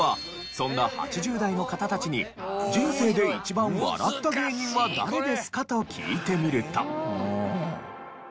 そんな８０代の方たちに人生で一番笑った芸人は誰ですか？と聞いてみると。